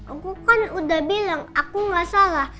aku kan udah bilang aku gak salah